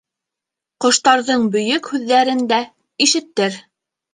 Ҡоштарҙың Бөйөк һүҙҙәрен дә ишеттер.